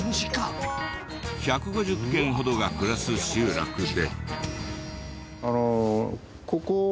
１５０軒ほどが暮らす集落で。